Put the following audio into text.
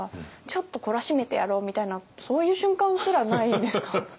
ちょっと懲らしめてやろうみたいなそういう瞬間すらないんですか？